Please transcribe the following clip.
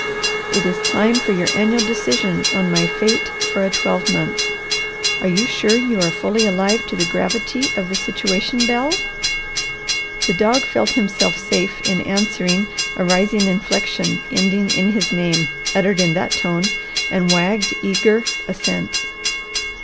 It is time for your annual decision on my fate for a twelve month. Are you sure you are fully alive to the gravity of the situation, Bel?" The dog felt himself safe in answering a rising inflection ending in his name uttered in that tone, and wagged eager assent.